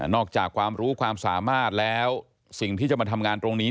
อกจากความรู้ความสามารถแล้วสิ่งที่จะมาทำงานตรงนี้